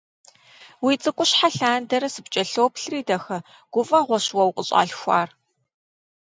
Уи цӀыкӀущхьэ лъандэрэ сыпкӀэлъоплъри, дахэ, гуфӀэгъуэщ уэ укъыщӀалъхуар.